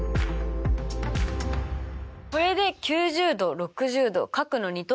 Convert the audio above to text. これで９０°６０°角の二等